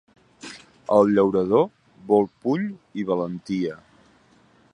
El llaurador vol puny i valentia.